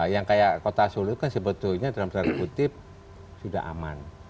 yang kayak kota solo itu kan sebetulnya dalam tanda kutip sudah aman